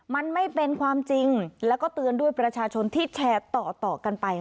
มันไม่เป็นความจริงแล้วก็เตือนด้วยประชาชนที่แชร์ต่อกันไป